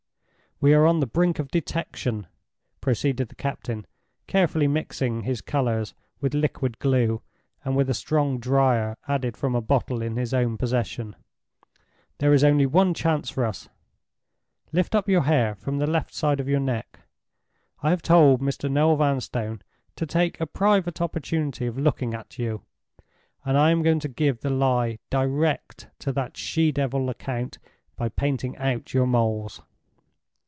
"We are on the brink of detection," proceeded the captain, carefully mixing his colors with liquid glue, and with a strong "drier" added from a bottle in his own possession. "There is only one chance for us (lift up your hair from the left side of your neck)—I have told Mr. Noel Vanstone to take a private opportunity of looking at you; and I am going to give the lie direct to that she devil Lecount by painting out your moles."